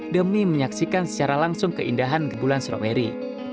demi menyaksikan secara langsung keindahan bulan strawberry